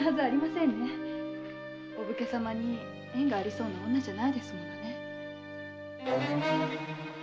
お武家様に縁がありそうな女じゃないですものね。